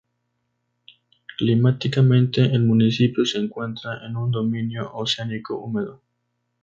Climáticamente, el municipio se encuentra en un dominio oceánico húmedo.